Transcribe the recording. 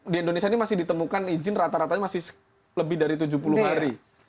di indonesia ini masih ditemukan izin rata ratanya masih lebih dari tujuh puluh hari